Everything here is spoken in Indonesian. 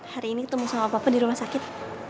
hari ini ketemu sama bapak di rumah sakit